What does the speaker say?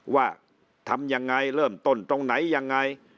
ว่าทำยังไงเริ่มต้นตรงไหนยังไง